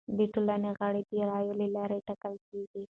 د ټولنې غړي د رایو له لارې ټاکل کیږي.